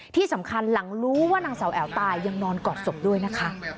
ที่สำคัญหลังรู้ว่านางสาวแอ๋วตายยังนอนกอดศพด้วยนะคะ